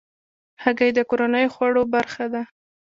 هګۍ د کورنیو خوړو برخه ده.